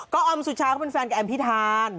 ก็ออมสุชาเขาเป็นแฟนกับแอมพิธาน